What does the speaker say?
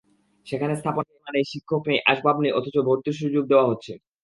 সেখানে স্থাপনা নেই, শিক্ষক নেই, আসবাব নেই, অথচ ভর্তির সুযোগ দেওয়া হচ্ছে।